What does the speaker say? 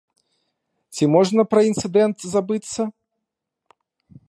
Ці можна пра інцыдэнт забыцца?